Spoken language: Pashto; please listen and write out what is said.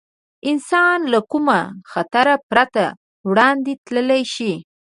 انسان له کوم خطر پرته وړاندې تللی شي.